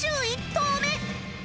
２１刀目